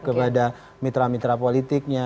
kepada mitra mitra politiknya